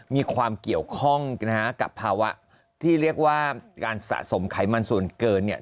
มีความเกี่ยวข้องนะฮะกับภาวะที่เรียกว่าการสะสมไขมันส่วนเกินเนี่ย